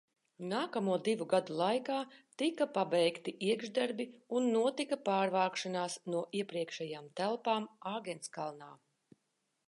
Nākamo divu gadu laikā tika pabeigti iekšdarbi un notika pārvākšanās no iepriekšējām telpām Āgenskalnā.